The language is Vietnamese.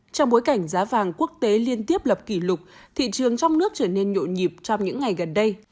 trong bối cảnh giá vàng quốc tế liên tiếp lập kỷ lục thị trường trong nước trở nên nhộn nhịp trong những ngày gần đây